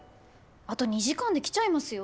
あと２時間で来ちゃいますよ